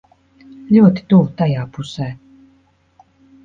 Ļoti tuvu tajā pusē.